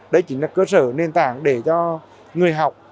đây chính là cơ sở nền tảng để cho người học